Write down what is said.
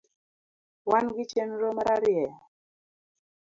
Wangi chenro mararieya.